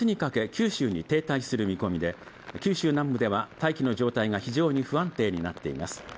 九州に停滞する見込みで九州南部では大気の状態が非常に不安定になっています